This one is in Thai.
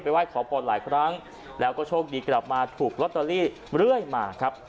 ไห้ขอพรหลายครั้งแล้วก็โชคดีกลับมาถูกลอตเตอรี่เรื่อยมาครับ